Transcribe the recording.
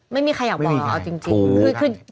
ไม่มีใครอยากบอกจริง